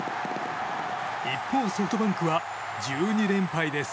一方、ソフトバンクは１２連敗です。